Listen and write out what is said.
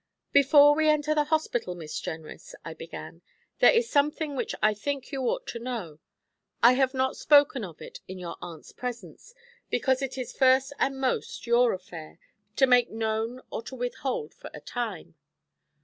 'Before we enter the hospital, Miss Jenrys,' I began, 'there is something which I think you ought to know. I have not spoken of it in your aunt's presence, because it is first and most your affair, to make known or to withhold for a time.